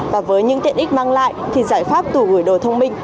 và với những tiện ích mang lại thì giải pháp tủ gửi đồ thông minh